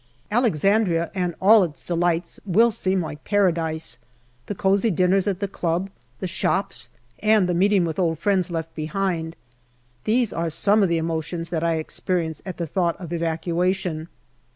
Alexandria and all its delights will seem like Paradise ; the cosy dinners NOVEMBER 271 at the club, the shops, and the meeting with old friends left behind. These are some of the emotions that I experience at the thought of evacuation.